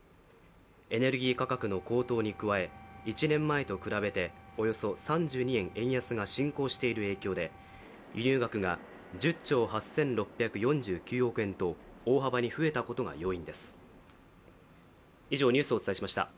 エネルギー価格の高騰に加え１年前と比べておよそ３２円、円安が進行している影響で輸入額が１０兆８６４９億円と大幅に増えたことが要因です。